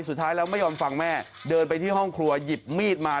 สุดท้ายแล้วไม่ยอมฟังแม่เดินไปที่ห้องครัวหยิบมีดมา